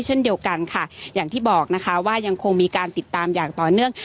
เช่นเดียวกันค่ะอย่างที่บอกนะคะว่ายังคงมีการติดตามอย่างต่อเนื่อง